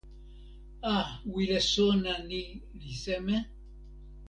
a, wile sona ni li seme?